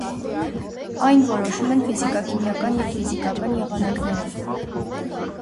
Այն որոշում են ֆիզիկաքիմիական և ֆիզիկական եղանակներով։